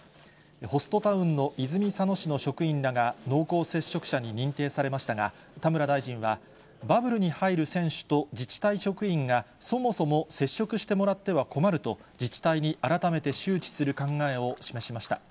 ホストタウンの泉佐野市の職員らが濃厚接触者に認定されましたが、田村大臣は、バブルに入る選手と自治体職員が、そもそも接触してもらっては困ると、自治体に改めて周知する考えを示しました。